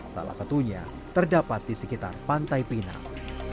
salah satunya terdapat di sekitar pantai pinang